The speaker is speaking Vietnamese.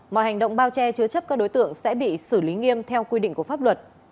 mọi hành động bao che chứa chấp các đối tượng sẽ bị xử lý nghiêm theo quy định của pháp luật